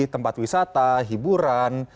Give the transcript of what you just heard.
tempat wisata hiburan